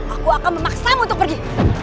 aku akan memaksamu untuk pergi